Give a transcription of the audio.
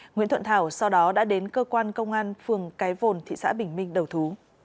nguyễn thuận thảo sau đó đã đến cơ quan công an phường cái vồn thị xã bình minh đầu thú